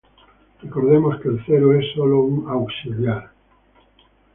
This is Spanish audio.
Recordemos que el cero es sólo un auxiliar.